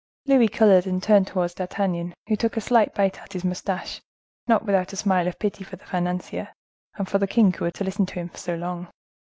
Louis colored and turned towards D'Artagnan, who took a slight bite at his mustache, not without a smile of pity for the financier, and for the king who had to listen to him so long.